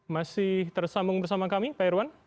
masih tersambung bersama kami pak irwan